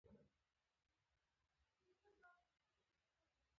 خادم وویل ښاغلیه تاسي تم شئ زه همدا اوس تاسي ته سایبان راوړم.